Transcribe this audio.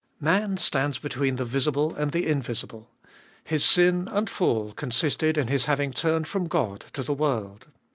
Man stands between the visible and the invisible. His sin and fall consisted in his having turned from God to the world.